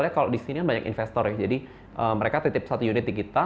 kalau di sini kan banyak investor ya jadi mereka titip satu unit di kita